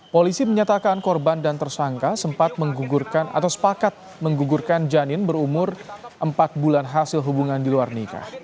polisi menyatakan korban dan tersangka sempat menggugurkan atau sepakat menggugurkan janin berumur empat bulan hasil hubungan di luar nikah